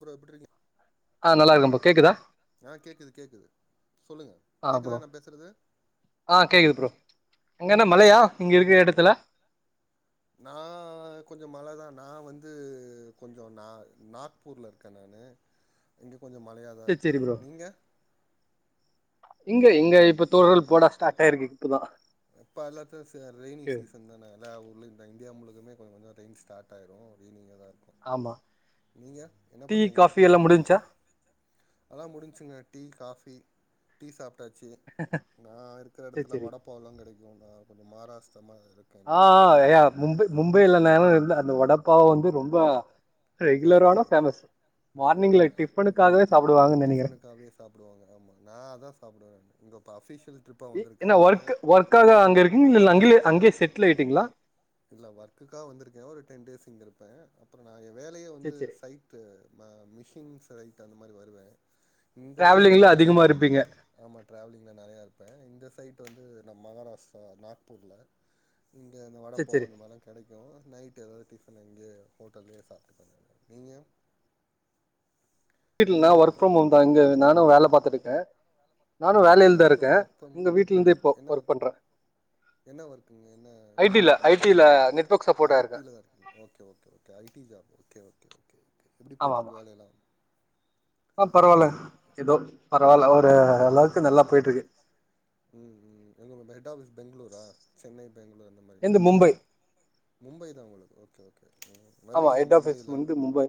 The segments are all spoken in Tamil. ப்ரோ எப்டிருக்கிங்க ஆ நல்லாருக்கே ப்ரோ கேக்குதா ஆ கேக்குது கேக்குது சொல்லுங்க ஆ ப்ரோ கேக்குதா நா பேசுறது ஆ கேக்குது ப்ரோ அங்கயென்ன மழையா இங்கே இருக்கிற எடத்துல நா கொஞ்சோ மழதான் நா வந்து கொஞ்சோ நா நாக்பூர்ல இருக்கேன் நானு இங்க கொஞ்சம் சேரி மழையாதாருக்கு சேரி ப்ரோ நீங்க இங்க இங்க இப்ப தூறல் போட ஸ்டார்ட்டாயிருக்கு இப்பதா இப்ப எல்லாத்துக் ச ரெய்னிங்க் ஓகே சீசன் தான எல்லாவூர்லயு இந்தியாமுழுக்கமே கொஞ்ச கொஞ்ச ரெய்ன் ஸ்ட்டார்ட்டாயிடு ரெய்னிங்காதாருக்கும் ஆமா டீ காபி எல்லா முடிஞ்சிச்சா அதெல்லா முடிஞ்சிங்க டீ காஃபி டீ சாப்ட்டாச்சு நா இருக்கிற சேரி இடத்துல சேரி வடைப்பாலாம் கெடைக்கு நான் கொஞ்சோ மகராஷ்டிராமாரி ஆ ஆ ய மும்பை மும்பையில நானு யிருந்த அந்த வடப்பாவவந்து ரொம்ப ரெகுலரானா ஃபேமஸ் ஆமா மார்னிங்ல டிஃபனுக்காகவே சாப்படுவாங்கன்னு நெனைக்கிறே டிஃபனுக்கு அப்டியே சாப்டுவாங்க ஆமா நா அதா சாப்டுவே இங்க அபிஷியல் ட்ரிப் என்ன ஒர்க் ஒர்க்காக அங்க இருக்கீங்களா இல்ல அங்கேய அங்கே செட்டில் ஆயிட்டீங்களா இல்ல ஒர்க்குக்காக வந்திருக்கேன் ஒரு டென் டேஸ் இங்கருப்பே அப்புறோ நான் வேலையே சேரி வந்து சேரி சைட் ம மிஷின் சைட் அந்த மாரி வருவே இந்த டிராவலிங்ல தடவ அதிகமா இருப்பீங்க ஆமா ட்ராவலிங்ல நெறையாயிருப்பேன் இந்த சைட் வந்து நா மகாராஷ்ட்ரா நாக்பூர்ல இங்க அந்த சேரி வடப்போ சேரி அந்தமாரிலாம் கெடைக்கு நைட்டு ஏதாவது டிஃபன் இங்கே ஹோட்டல்லேயே சாப்பிட்டுக்குவேங்க நீங்க நீங்க வீட்லனா என்ன ஒர்க் ஃப்ரம் பண்றீங்க ஹோம் தா இங்க நானு வேல பாத்திட்ருக்கே நானு வேலையில ஒர்க் தாருக்கே ஃப்ரம் ஒர்க் ஃப்ரம் இங்க வீட்லருந்தே இப்போ ஒர்க் பண்றே என்ன ஒர்க்குங்க என்ன ஐ டி ல ஜாப் ஐ என்ன டி டைப் ல நெட்வொர்க் சப்போர்ட்டா ஐ டி இருக்கே ல தாருக்கிங்களா okay okay okay okay I T job okay okay okay okay எப்டி ஆமா ஆமா போய்ட்ருக்கு வேலைல்லா ஆ பரவால்ல ஏதோ பரவால்ல ஒரு அளவுக்கு நல்லா போயிட்ருக்கு ம் ம் எங்க ஹெட் ஆபீஸ் பெங்களூரா சென்னை பெங்களூர் அந்த மாரியா எந்து எப்டிங் மும்பை மும்பைதா உங்களுக்கு ஓகே ஓகே ஓகே ஓகே ஆமா வருவீங்களா ஹெட் ஆஃபிஸ் மும்பைலாம் வந்து மும்பை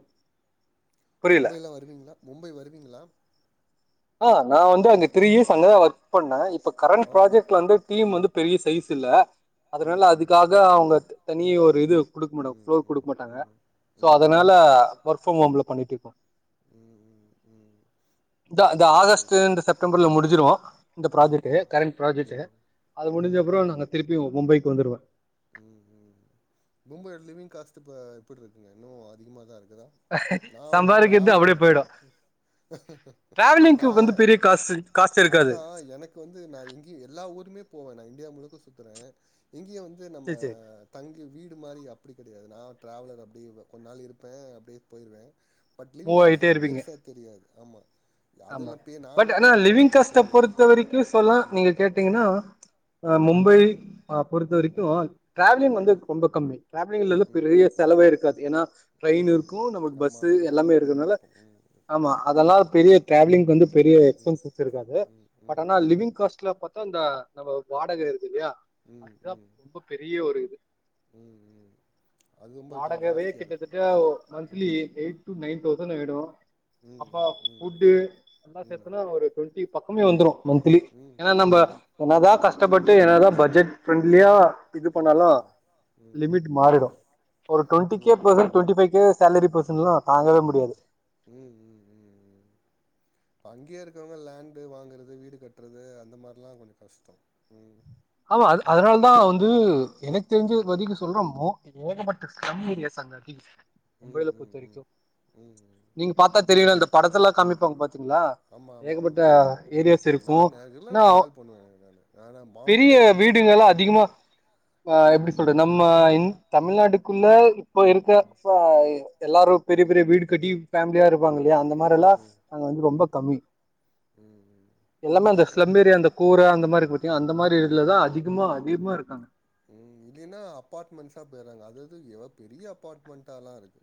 புரியல மும்பைலா வருவீங்களா மும்பை வருவீங்களா ஆ நா வந்து அந்த த்ரி இயர்ஸ் அங்கதான் ஒர்க் பண்ணே இப்ப கரண்ட் ஓ ப்ராஜெக்ட் வந்து டீம் வந்து பெரிய சைஸ் இல்ல அதனால ம் ம் அதுக்காக அவுங்க தனி ஒரு இது குடுக்க மாட்டாங்க ம் ப்ளோர் ம் குடுக்க மாட்டாங்க ம் சோ ம் ம் அதனால ஒர்க் ஃப்ரம் ஹோம்ல பண்ணிட்டுருக்கோம் ம் ம் ம் இந்தா இந்த சேரி ஆகஸ்ட்டு இந்த செப்டம்பர்ல முடிஞ்சிரும் இந்த ம் ப்ராஜெக்டு ம் கரண்ட் ப்ராஜெக்ட்டு ம் அது ம் முடிஞ்சப்புறோ ம் நாங்க திருப்பியும் மும்பைக்கு வந்துருவே ம் ம் மும்பைல லிவிங் காஸ்ட்டு இப்போ எப்டிருக்குங்க இன்னு அதிகமாதான் இருக்குதா நா வந்து சம்பாதிக்கிறது டிராவலர் அப்டியே போயிடு டிராவலிங்க்கு நா வந்து பெரிய காசு காஸ்ட் இருக்காது அதுதா எனக்கு வந்து நான் எங்கேயு எல்லா ஊருமே போவே நான் இண்டியா முழுக்க சுத்துறேன் இங்கியு வந்து நம்ம சேரி சேரி தங்கி வீடு மாரி அப்டி கெடையாது நான் டிராவலர் அப்டி கொஞ்ச நாள் இருப்பேன் அப்டியே போயிருவே பட் மூவ் லிவ்விங் ஆயிட்டே காஸ்ட்லா இருப்பீங்க பெருசா தெரியாது ஆமா ஆமா அதெல்லாம் பே பட் நாங்க ஆனா பே பண்றேன் லிவ்விங் காஷ்ட கம்பெனி பொறுத்த இதுதானே வரைக்கு சொல்லா ம் நீங்க கேட் டீங்னா மும்பை ம் பொறுத்த ம் வரைக்கு ட்ராவ்லிங் வந்து ரொம்ப கம்மி டிராவ்லிங்ல வந்து ம் பெரிய செலவே இருக்காது ஏனா ட்ரெயின் இருக்கு ம் நமக்கு ஆமா பஸ்ஸீ அந்த எல்லாமே லோக்கல் ட்ரெயின் இருக்கிறனால இருக்கும் ம் ஆமா ம் அதெல்லா பெரிய டிராவலிங் வந்து பெரிய ம் எக்ஸ்பன்ஸஸ் இருக்காது ம் பட் ம் ஆனா லிவிங்காஸ்ட்ல பாத் தா நம்ம வாடக இருக்கு இல்லியா ம் அதுதா ம் ரொம்ப பெரிய ஒரு இது ம் ம் அது ரொம்ப கா வாடகவே ஜாஸ்தியா இருக்கும் கிட்டத்தட்ட ம் ம் monthly eight to nine thousand ஆயிடு அ ம் ம் ஃபுட்டு எல்லா ம் ம் சேத்தனா ஒரு டுவெண்ட்டி பக்கமே வந்துடு மன்த்லி ம் ஏனா நம்ம மண் என்னதா ம் ம் கஷ்டப்பட்டு என்னதா பட்ஜெட் ஃப்ரெண்ட்லியா இது ம் பண்ணாலு ம் ம் ம் லிமிட் மாறிடு ம் ஒரு twenty K person twenty five K salary பர்சன்லா தாங்கவே முடியாது இப்ப அங்கேயே இருக்கவங்க லேண்டு வாங்கறது வீடு கட்டுறது அந்த மாறிலா கொஞ்சோ கஷடோ ம் ஆமா அதனால தா வந்து எனக்கு தெரிஞ்சு ம் வரிக் ரொம்ப மோ ஏகப்பட்ட ஸ்லம் ஏரியாஸ் அங்க ம் மும்பைய்ல ம் பொருத்த ம் ம் வரைக்கு ம் நீங்க பாத்தா தெரில இந்த படத்துலலா காமிப்பாங்க பாத்திங்ளா ஆமா ஆமா ஆமா ம் நா நெஜமா ஏன்னா ட்ராவல் பண்ணுவே எனக்கு நா பெரிய வீடுங்கலா அதிகமா அ ம் எப்டி ம் சொல்றது நம் ம் தமிழ்நாட்டுக்குள்ள இப்ப இருக்க சோ எல்லாரு பெரிய பெரிய வீடு கட்டி ஃபேம்லியா ம் இருப்பா ம் இல்லையா அந்த மாரிலா ம் ம் வந்து ம் ரொம்ப கம்மி ம் எல்லாமே அந்த ஸ்லப்பேரிய அந்த கூர அந்த மாரி இருக்கு பாத்தியா அந்த மாரி ம் ம் சைட்லதா அதிகமா அதிகமா இருக்காங்க இல்லேனா அபார்ட்மெண்ட்ஸா பொய்றாங்க அதது எப்பா பெரிய அபார்ட்மெண்ட்டாலா இருக்கு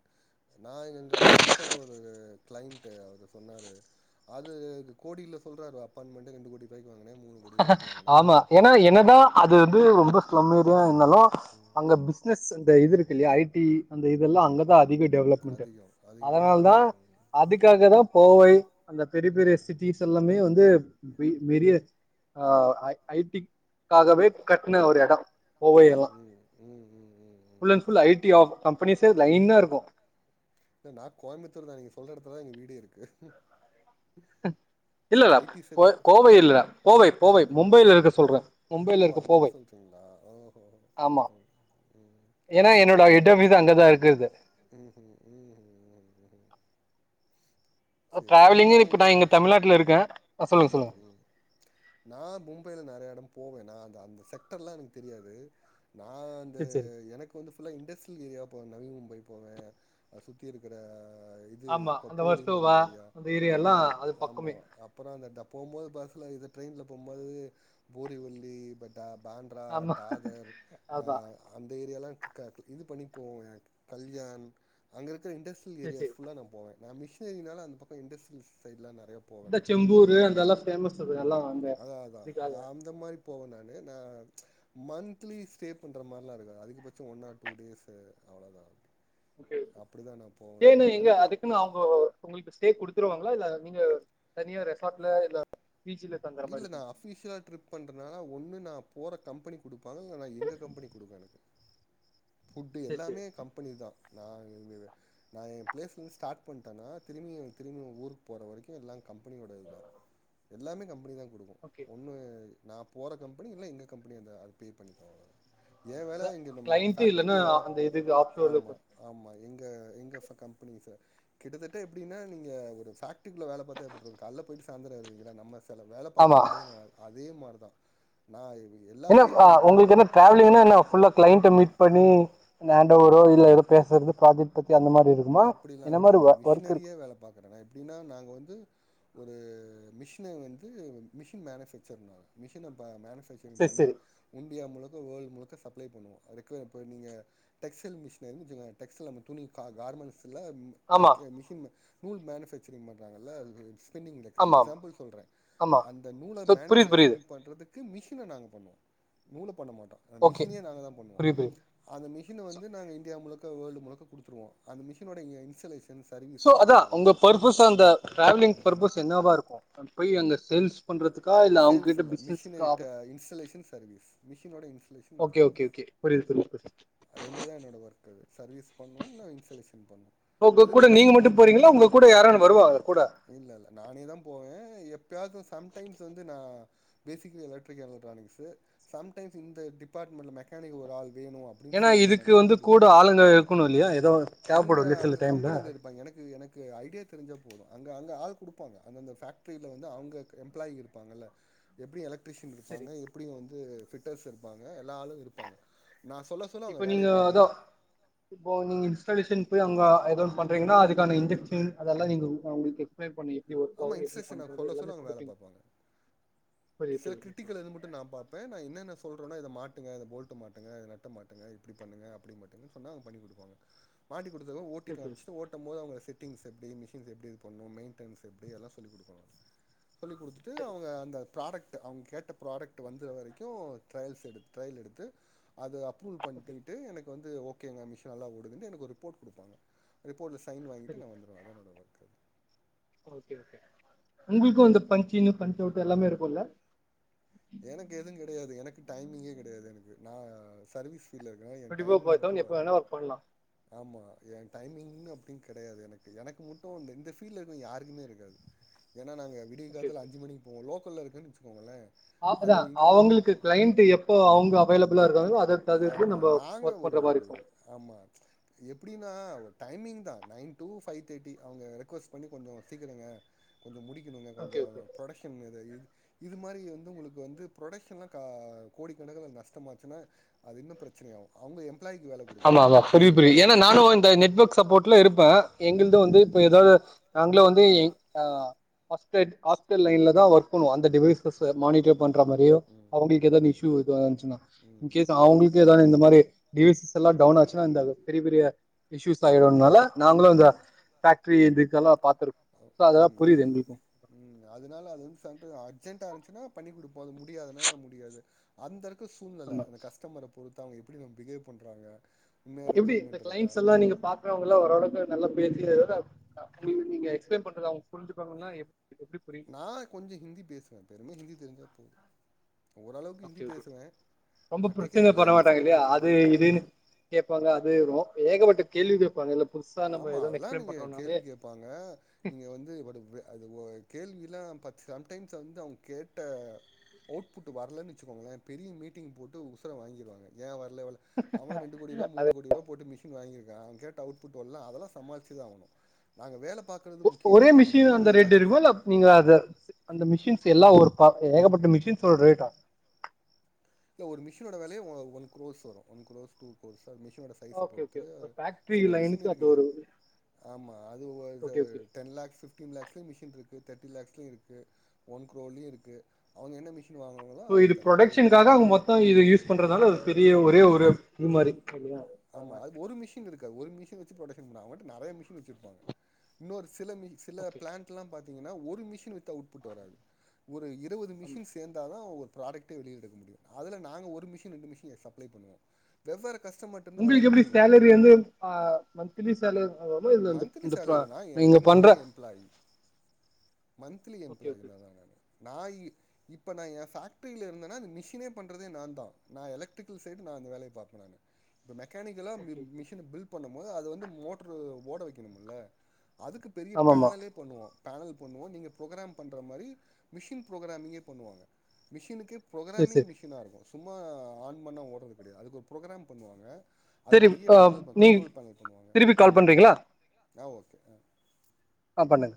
நா இங்கே ஒர்க் பண்ணுறவ்ரு ஒரு கிளைண்ட் அவரு சொன்னாரு அது கோடியில சொல்றாரு அப்பாயின்மெண்ட் ரெண்டு கோடி பைக்வாங்னே மூணுகோடி ரூபாய்கு வாங்கனே ஆமா ஏன்னா அப்டின்ராரு என்னதா அது வந்து ரொம்ப ஸ்லம் ஏரியா இருந்தாலு அங்க பிஸ்னஸ் அந்த இது இருக்கு இல்லயா ஐ டி அந்த இதல்லா ம், அங்கதா அதிக ம். டெவலப்மெண்ட்டு அதிகம். அதிக அதனால்தா டெவலப்டு. அதுக்காகதா கோவை அந்த பெரிய பெரிய ம். சிட்டிஸ் எல்லாமே வந்து வெ வெரிய அ ஐ ஐடிக் அது அப்டியே கட்ன ஒரு எடோ கோவை ம். அதுலா ம், ம். ம், ம், ம், ம். Full and full IT of கம்பெனிஸே லைனா இருக்கு இல்ல நா கோயம்புத்தூர்தா நீங்க சொல்ற எடத்துலதா எங்க வீடு இருக்கு இல்ல இல்ல கோவை இல்ல போவை போவை மும்பையில இருக்கத சொல்றே மும்பையில இருக்க போவை இந்தா இஹூம் இஹூம் ம் ஏனா என்னோட ஹெட்ஆஃபீசு அங்கதா இருக்குது ம் ம் ம் சேரி சேரி நா டிராவலிங்கு இப்ப அங்க நான் இங்க தமிழ்நாட்டுல இருக்கேன் ஆ, சொல்லுங்க ம் சொல்லுங்க ம் நா மும்பையில நறைய எடோ போவே நா அந்த அந்த சென்டலா எனக்கு தெரியாது நா அந்த சரி சரி எனக்கு வந்து ஃபுல்லா இண்டஸ்ட்ரியல் ஏரியா போவே நவி மும்பை போவே சுத்தி இருக்கிற இது ஆமா அந்த கொப்ப ஒலின் ஒரு வர்சோவா ஏரியா அந்த ஏரியா அனா எல்லாம் அது ஆமா பக்கமே அ அப்றோ அந்த போம் போது பஸ்ல இது ட்ரெயின்ல போம்போது போரிவல்லி பட் ட பாண்ட்ரா ஆமா டாதர் அதான் அந்த ஏரியாலா க க இது பண்ணிப்போவோங்க கல்யாண் அங்க இருக்கிற இன்டர்ஸ் ட்ரிஸ் சரி ஏரியாஸ் சரி ஃபுல்லா நா போவே நா மிஷினரினால அந்த பக்கோ இண்டஸ்ட்ரியல்ஸ் சைட்லா நெறயா போவே இந்த நானு செம்பூர் அந்த எல்லாம் ஃபேமஸ் அது ம் எல்லாம் அந்த அதா அதா இதுக்காக அந்த மாரி போவே நானு நா மன்த்லி ஸ்டே பண்ற மாற்லா இருக்காது அதிக பட்சோ ஒன் ஆர் டூ டேஸ் அவ்ளதா ஓகே ஏங்க எங்க எனக்கு அதுக்குன்னு அவுங்கோ ஒங்களுக்கு ஸ்டே குடுத்துருவாங்ளா இல்ல நீங்க தனியா ரெசார்ட்ல இல்ல பீச்சுல இல்ல நா அபிஷியலா ட்ரிப் பண்றனால ஒன்னு நா போற கம்பெனிக் கு குடுப்பாங்க இல்லன்னா எங்க கம்பெனி குடுக்கு எனக்கு ஃபுட்டு சேரி சேரி எல்லாமே கம்பெனிதா நா வே நா எ ப்ளேஸ்லருந்து ஸ்டார்ட் பண்ட்டனா திரும்பி திரும்பு ஊர் போற வரைக்கு எல்லா கம்பெனியோட இதுதா எல்லாமே கம்பெனிதா குடுக்கு ஓகே ஒன்னு நா போற கம்பெனி இல்ன்னா எங்க கம்பெனி வந்து அது பே பண்ணிக்கு அவ்ளோதா ஏ வேல இங்க நம்ம கிளைண்ட் இல்லன்னா ஃபேக்ட்ரிகுள்ள வேல அந்த இதுக்கு ஆப்ஷோர்ல ஆமா ஆமா எங்க எங்க ஃப கம்பெனிஸ்ஸ கிட்டத்தட்ட எப்டினா நீங்க ஒரு ஃபேக்ட்ரிகுள்ள வேல பாத்த எப்டி இருக்கு கால போயிட்டு சாயந்த்ரோ வருவிங்ள என்னா நம்ம வேல ஆமா பாக்றமுட்டுதா நா அதே மாறிதா நா எல்லா பேயு அவுங்க பண்ணு ட்ராவ்லிங்னா என்னா ஃபுல்லா க்ளைண்ட்ட மீட் பண்ணி நேண்டோரோ இல்ல ஏதோ பேசறது ஃபிரஜாட் பத்தி அந்த மாறி இரு அப்டிலா கெடயாது நா மிஷ்னரியா வேல பாக்றே நா எப்டின்னா நாங்க வந்து ஒரு மிஷின வந்து மிஷின் மேனுஃபேக்சர் நா மிஷின பா மேனுஃபேக்ச் சர் சேரி பண்ணி சேரி உண்டியா முழுக்க வேர்ல்ட் முழுக்க சப்ளே பண்ணுவோ ரக்க இப்ப நீங்க டெக்ஸல் மிஷின் இருந்து வச்சுக்கோங் டெக்ஸ்டல் நம்ம துணி கா கார்மண்ட்ஸ்ல ஆமா தக்கே மிஷின் நூல் மேனுஃபேக்சரிங் பண்றாங்கல்ல பெண்டிங்ல இருக்கு ஆமா ஆமா எக்ஸாம்பிள் சொல்றே ஆமா அந்த நூல சோ புரியுது புரியுது மேனுஃபேக்சரிங் பண்றது க்கு மிஷின நாங்க பண்ணுவோ நூல பண்ண மாட்டோ அந்த ஓகே மிஷினே நாங்கதா பண்ணுவோ புரியுது புரியுது அந்த மிஷின சோ வந்து நாங்க இந்தியா முழுக்க வேர்ல்டு முழுக்க குடுத்துருவோ அந்த மிஷினோட இன்ஸலேஷ சோ அதா ஒங்க பர்ப்பஸ் அந்த ட்ராவலிங் பர்ப்பஸ் என்னாவா இருக்கு போய் அங்க சேல்ஸ் பண்றதுக் சேல்ஸ் இல்ல மிஷின் இட்ட இன்ஸ்டலேஷன் சர்வீஸ் மிஷினோட இன்ஸ்லேஷன் ஓக்கே ஓக்கே ஓக்கே புரிது புரிது புரிது ரெண்டுதா என்னோட ஒர்க்கு அது சர்வீஸ் பண்ணு இல்லனா இன்ஸலேஷன் பண்ணு ஒங்க கூட நீங்க மட்டு போறிங்ளா ஒங்க கூட யாரான்னு வருவாங்ள கூட இல்லல்ல நானேதா போவே எப்பயாது சம்டைம்ஸ் வந்து நா basically electric electronics sometimes இந்த டிபார்ட்மெண்ட்ல மெக்கானிக் ஒரு ஆள் வேணு அப் ஏன்னா இதுக்கு வந்து கூட ஆளுங்க இருக்கணு இல்லையா ஏதோ அங்க தேவப்படு இல்லையா சில அங்க டைம்ல கம்பெனில இருப்பாங் எனக் எனக்கு ஐடியா யா தெரிஞ்ச போது அங்க அங்க ஆள் குடுப்பாங்க அந்தந்த ஃபேக்ட்ரியில வந்து அவுங்க எம்ப்ளாயி இருப்பாங்கல்ல எப்டி எலக்ட்ரிஷியன் சரி இருப்பாங்க எப்படியு வந்து ஃபிட்டர்ஸ் இருப்பாங்க எல்லா ஆளு இருப்பாங்க நா சொல்ல சொல்லா அவுங்க இப்ப நீங்க வேலய அதா பாப்பாங்க இப்போ நீங்க இன்ஸ்டாலேஷன் போய் அங்க ஏதோ ஒன்னு பண்றிங்ன்னா அதுக்கான இன்ஜெக்ஷன் அதல்லா நீங்க அவுங்களுக்கு எக் ஸ்பைளைன் பண்ணுவிங் எப்டி ஒர்க் ஆமா ஆகு எப்டி இன்ஸ்ட்ரக்ஷன் நான் பண்றது சொல்ல எல்லாமே சொல்ல அவங்க வேல குடுப்பிங் பாப்பாங்க. சில கிரிட்டிக்கல் அது மட் டு நா பாப்பே நா என்னன்ன சொல்றேனோ இத மாட்டுங்க போல்ட் மாட்டுங்க நட்ட மாட்டுங்க இப்டி பண்ணுங்க அப்டி மாட்டுங் கனா பண்ணி குடுப்பாங்க மாட்டி குடுத்தத ஓட்டி சரி சரி காம்ச்சுட்டு ஓட் டும் போது அவுங்க செட்டிங்ஸ் எப்டி மிஷின்ஸ் எப்டி பண்ணு மெயின்டென்ஸ் எப்டி எல்லா சொல்லி குடுப்பாங்க சொல்லி் குடுத்துட்டு சரி அவுங்க அந்த ப்ராடக்ட் அவுங்க கேட்ட ப்ராடக்ட் வந்த வரைக்கு ட்ரையல்ஸ் எடுத் ட்ரையல் எடுத்து அது அப்ரூல் ஓகே பண்ணிட்டு எனக்கு வந்து ஓகேங்க மிஷின் நல்லா ஓடுதுன்டு எனக்கு ஒரு ரிப்போர்ட் குடுப்பாங்க ரிப்போர்ட்ல சைன் வாங்கிட்டு சரி நா வந்துடுவே அதா என்னோட ஒர்க்கு ஓகே ஓகே உங்களுக்கு அந்த பஞ்சின்னு பஞ்சவுட்டு எல்லாமே இருக்குல்ல எனக்கு எதுவு கெடையாது எனக்கு டைமிங்கே கெடையாது எனக்கு நா சர்வீஸ் இல்லங்க என் டுவெண்ட்டி ஃபோர் பாய் டைமிங்க்கு செவன் எப்போ வரணு வேணா ஒர்க் பண்ணலாம் ஆமா என் டைமிங்ன்னு அப்டி கெடையாது எனக்கு எனக்கு மட்டு வந்த இந்த ஃபீல்டல இருக்க யாருக்குமே இருக்காது ஏனா நாங்க விடியா ஓகே காத்துல ஓகே அஞ்சு மணிக்கு போவோ லோக்கல்ல இருக்குன்னு வச்சுக்கோங்களே அது ஆசதா இங்கருந்து அவங்ளுக்கு கிளைண்ட் எப்ப அவங்க அவைலபிளா இருக்காங்களோ அத ஆமா நாங்க ஒரு ஒரு ஆமா எப்டின்னா ஒரு டைமிங் தா நைன் டூ ஃபைவ் தேர்ட்டி அவங்க ரெக்வஸ்ட் பண்ணி கொஞ்சோ சீக்கரங்க கொஞ்ச முடிக்கணுங்க கொஞ்சோ ஓகே ஓகே ப்ரொடக்க்ஷன்க இது இது இது மாரி வந்து உங்ளுக்கு வந்து ப்ரொடக்க்ஷன்லா கா கோடிக்கணக்கா நஷ்டமாச்சுனா அது இன்னு பிரச்சனை ஆகு அவங்க எம்ப்ளாய்கு வேலை குடுக்கணு ஆமா ஆமா புரியுது ஒர்க்கருக்கு வேல புரியுது ஏன்னா குடுக்கணு எங்கிருந்தோ வந்து இப்ப எதாவது நாங்களு வந்து அ ஹாஸ்டல் ஹாஸ்டல் லைன்ல தா ஒர்க் பண்ணுவோ அந்த டிவெய்ஸ் ப்ளஸ் ம். மானிட்டர் பண்ற ம், ம், மாரியு ம், ம், அவங்களுக்கு ஏதா ம், இஸ்யூஎதா ஆச்சுனா ம், இன்கேஸ் ம், அவங்ளுக்கு ஏதா இந்த மாரி டிவெய்ஸ் எல்லா ம், டவுன் ஆச்சுனா இந்த பெரிய பெரிய இஷ்யூஸ் ஆயிடுனால ம், ம், நாங்களு ம். இந்த பேக்ட்ரி இதுக்கெல்லா பாத்துருக்கோ சோ அதாலா ம் புரியுது எங்ளுக்கு ம் அதனால அது வந்து [unintelligible] அர்ஜென்டா இருந்ச்சுனா பண்ணி குடுப்போ அது முடியாதுனா முடியாது அந்த அ இருக்கு சூழ்நிலை ஆமா அந்த கஸ்டமரை பொறுத்து அவங்க எப்டி நம் பிகேவ் பண்றாங்க உண்மையா எப்டி இந்த ரெக்குயர்மெண்ட் இருக்கா கிளைண்ட்ஸ் எல்லா நீங்க பாக்றவங்கெலா ஓரளவுக்கு நல்லா பேசி [unintelligible] நீங்க எக்ஸ்பிளைன் பண்றது அவங்க புரிஞ்சுப்பாங்கலா எப்டி புரியும் நா கொஞ்ச ஹிந்தி பேசுவே பெருமே ஹிந்தி தெரிஞ்சா போது ஓரளவுக்கு ஹிந்தி ஓகே ஓகே பேசுவே ரொம்ப பிரச்சன டெக்னிக்கலாக என்ன சொல்ல கொடுப்பே ம் கேட்பாங்க அதது வரு ஏகப்பட்ட கேள்வி கேட்பாங்க இல்ல புதுசா நம்ம எதவு எக்ஸ்பிளைன் பண்றோனாவே ப்பாங்க நீங்க வந்து அது ஒ கேள்விலா பட் சம்டைம்ஸ் வந்து அவங்க கேட்ட அவுட்புட் வரலைன்னு வச்சுோங்களே பெரிய மீட்டிங் போட்டு உசர வாங்கிடுவாங்க ஏ வர்லவர்ல அவன் ரெண்டு கோடி ரூபா மூணு கோடி ரூபா போட்டு மிஷின் வாங்கிருக்கா அவ கேட்ட அவு ட்டுலா அதெல்லா சமாளிச்சதா ஆகணு நாங்க வேல பாக்கறது ஒ- முக்கிய ஒரே இல்ல அங்க மிஷின் அந்த இருக்கவ ரேட் எல்லாத்தையு இருக்குமா இல்ல நீங்க அத அந்த மிஷின்ஸ் எல்லா ஒரு [unintelligible] ஏகப்பட்ட மிஷின்ஸ்ஷோட ரேட்டா இந்த ஒரு மிஷினோட வெலையே ஒன் குரோஸ் வரு ஒன் குரோஸ் டூ குரோஸ் மிஷோட ஓகே ஓகே சைஸபொறுத்து ஒரு ஃபேக்டரி சின்ன லைனுக்கு மிஷின் அது இருக்கு ஒரு ஆமா அது ஓகே ஒரு okay ten lakhs fifty fifteen லேக்ஸ்ளையு மிஷின் இருக்கு தேர்ட்டி லாக்ஸ்ளையு இருக்கு ஒன் குரோர்லையு இருக்கு அவங்க என்ன மிஷின் வாங்குவாங்களோ அதுக்கு தகுந்த மாரியோட தா இது யூஸ் பண்றதால அது பெரிய ஒரே ஒரு இதுமாரி ஆமா அது ஒரு மிஷின் இருக்காது ஒரு மிஷின் வச்சு புரொக்க்ஷன் பண்ணுவாங்க அவுங்கபாட்கு நெறைய மிஷின் வச்சிருப்பாங்க இன்னொரு சிலஷ சில ஓகே பிளான்ட்லா பாத்தீங்னா ஒரு மிஷின் வித் அவ்ட் புட் வராது ஒரு இர் வது ஆமா மிஷின் சேந்தாதான் ஒர் ப்ராடக்ட்டே வெளிய எடுக்க முடியு அதுல நாங்க ஒரு மிஷின் ரெண்டு மிஷின சப்ளை பபணணுவோ வெவ்வேற கஸ்டமர் உங்ளுக்கு எப்டி சேலரி வந்து ஆ மந்த்லி சேலர் ஆ இது இந்த இந்த ப்ரா நீங்க பண்ற புளாயி மந்த்லி ஓகே ஓகே எம்ப்ளாயினா நா நானு நா இ இப்ப நான் என் ஃபேக்ட்ரில இருந்தனா அந்த மிஷினே பண்றதே நான்தா நான் எலக்ட்ரிக்கல் சைடு நா அந்த வேலைய பாப்ப நானு இப்போ மெக்கானிக்கலா ஓகே ம் ஓகே மிஷின பில் பண்ணமோது அத வந்து மோட்ரு ஓட வைக்கணுமுல அதுக்கு பெரிய ஆமாமா பேனலே பண்ணுவோ பேனல் பண்ணுவோ நீங்க ப்ரொகுராம் பண்ற மாரி மிஷின் புரோக்ராமிங்கே பண்ணுவாங்க மிஷினுக்கே சரி ப்ரோகுராமிங் சரி மிஷினா இருக்கு சும்மா ஆன் பண்ணா ஓடுறது கெடையாது அதுக்கு ஒரு ப்ரொகுராம் பண்ணுவா ங்க சரி அதுக் பெரிய ஆ, பேனல் பா நீங்க கண்ட்ரோல் பேனல் பண்ணுவாங்க திருப்பி கால் பண்றீங்களா ஆ ஓகே ஆ பண்ணுங்க